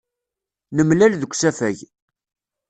Nemlal deg usafag.